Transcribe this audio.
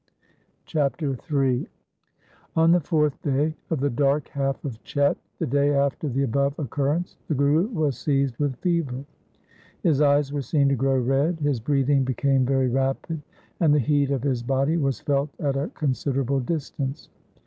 Chapter III On the fourth day of the dark half of Chet, the day after the above occurrence, the Guru was seized with fever. His eyes were seen to grow red, his breathing became very rapid, and the heat of his body was felt at a considerable distance.